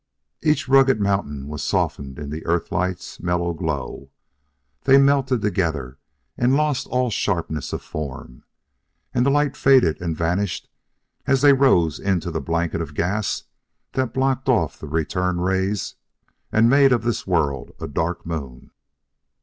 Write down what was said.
Each rugged mountain was softened in the Earthlight's mellow glow; they melted together, and lost all sharpness of form. And the light faded and vanished as they rose into the blanket of gas that blocked off the return rays and made of this world a dark moon.